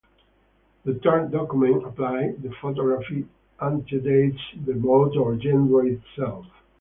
The term "document" applied to photography antedates the mode or genre itself.